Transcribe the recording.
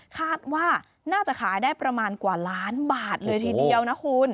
คาดว่าน่าจะขายได้ประมาณกว่าล้านบาทเลยทีเดียวนะคุณ